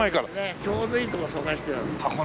ちょうどいいとこ疎開してたの。